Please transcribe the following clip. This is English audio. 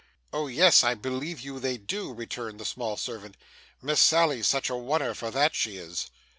'Oh, yes; I believe you they do,' returned the small servant. 'Miss Sally's such a one er for that, she is.